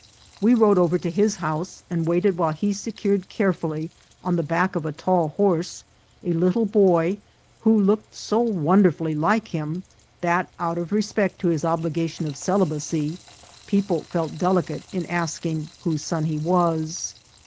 We rode over to his house, and waited while he secured carefully on the back of a tall horse a little boy, who looked so wonderfully like him, that, out of respect to his obligation of celibacy, people felt delicate in asking whose son he was.